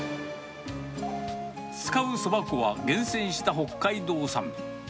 使うそば粉は厳選した北海道産。